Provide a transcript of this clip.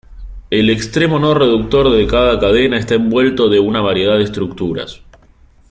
El extremo no reductor de cada cadena está envuelto de una variedad de estructuras.